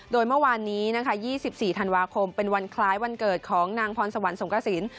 โดยเมื่อวานนี้นะคะ๒๔ธันวาคมเป็นวันคล้ายวันเกิดของนางพรสวรรค์สงกระสิน